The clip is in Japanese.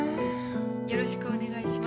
よろしくお願いします。